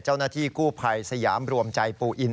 เจ้าหน้าที่กู้ภัยสยามรวมใจปูอิน